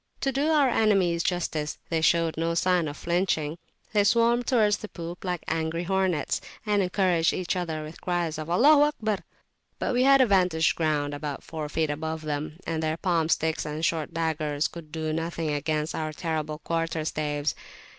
To do our enemies justice, they showed no [p.193] sign of flinching; they swarmed towards the poop like angry hornets, and encouraged each other with cries of "Allaho akbar!" But we had a vantage ground about four feet above them, and their palm sticks and short daggers could do nothing against our terrible quarterstaves.